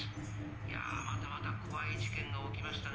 いやあまたまた怖い事件が起きましたね